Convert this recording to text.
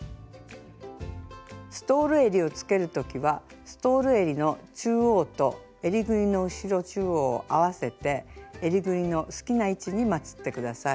ストールえりをつける時はストールえりの中央とえりぐりの後ろ中央を合わせてえりぐりの好きな位置にまつって下さい。